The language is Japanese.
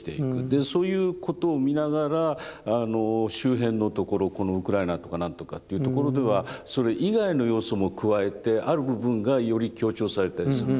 でそういうことを見ながらあの周辺のところこのウクライナとか何とかというところではそれ以外の要素も加えてある部分がより強調されたりする。